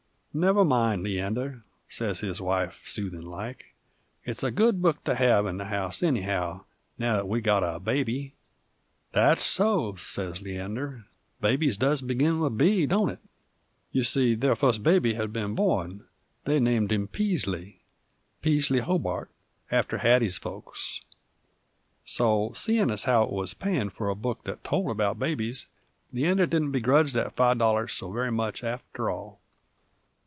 "Never mind, Leander," sez his wife, soothin' like, "it's a good book to have in the house, anyhow, now that we've got a baby." "That's so," sez Leander, "babies does begin with B, don't it?" You see their fust baby had been born; they named him Peasley, Peasley Hobart, after Hattie's folks. So, seein' as how it wuz payin' f'r a book that told about babies, Leander didn't begredge that five dollars so very much after all.